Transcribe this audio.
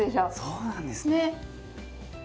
そうなんですね！